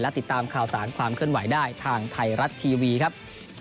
ติดตามข่าวสารความเคลื่อนไหวได้ทางไทยรัฐทีวีครับ